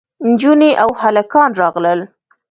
نجونې او هلکان راغلل.